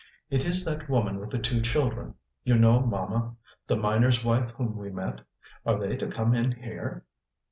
"It is that woman with the two children. You know, mamma, the miner's wife whom we met. Are they to come in here?"